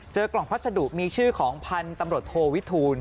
กล่องพัสดุมีชื่อของพันธุ์ตำรวจโทวิทูล